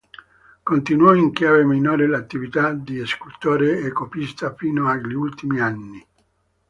Continuò in chiave minore l'attività di scultore e copista fino agli ultimi anni.